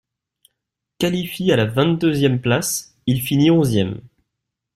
Qualifie à la vingt-deuxième place, il finit onzième.